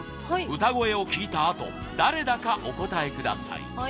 歌声を聞いたあと誰だかお答えください